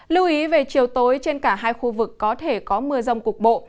lưu ý về chiều tối trên cả hai khu vực có thể có mưa rông cục bộ